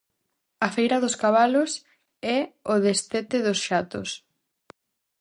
"A feira dos cabalos" e "O destete dos xatos".